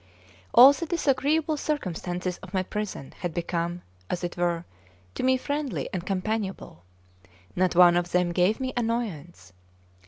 All the disagreeable circumstances of my prison had become, as it were, to me friendly and companionable; not one of them gave me annoyance.